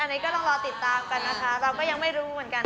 อันนี้ก็ต้องรอติดตามกันนะคะเราก็ยังไม่รู้เหมือนกัน